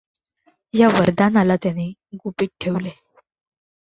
ह्या वरदानाला त्याने गुपित ठेवले.